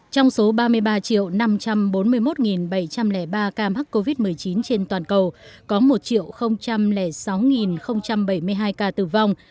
trong số ba mươi ba năm trăm bốn mươi một bảy trăm linh ba ca mắc covid một mươi chín trên toàn cầu có một sáu bảy mươi hai ca tử vong